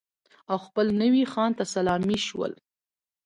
او خپل نوي خان ته سلامي شول.